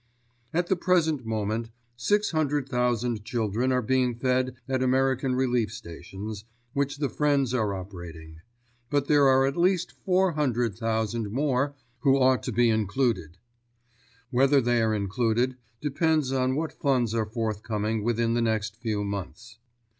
At the present moment 600,000 children are being fed at American Relief Stations, which the Friends are operating; but there are at least 400,000 more who ought to be included. Whether they are included depends on what funds are forthcoming within the next few months.